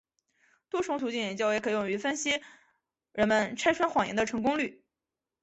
多重途径研究也可用于分析人们拆穿谎言的成功率。